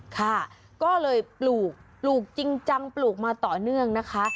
ค่ะก็เลยปลูกปลูกจริงจังปลูกมาต่อเนื่องนะคะ